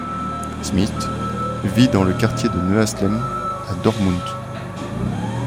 Schmidt vit dans le quartier de Neuasseln à Dortmund.